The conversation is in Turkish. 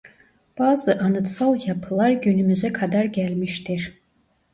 Bazı anıtsal yapılar günümüze kadar gelmiştir.